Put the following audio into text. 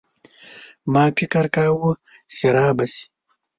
ما فکر کاوه چي رابه شي.